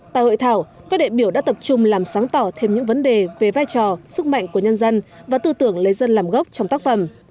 tại hội thảo các đại biểu đã tập trung làm sáng tỏ thêm những vấn đề về vai trò sức mạnh của nhân dân và tư tưởng lấy dân làm gốc trong tác phẩm